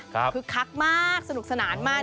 คือคักมากสนุกสนานมาก